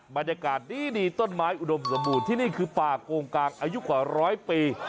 บรรยากาศดีต้นไม้อุดมสมบูรณ์ที่นี่คือป่าโกงกลางอายุกว่าร้อยปี